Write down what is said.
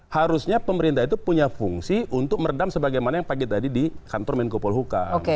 harusnya pemerintah itu punya fungsi untuk meredam sebagaimana yang pagi tadi di kantor menko polhukam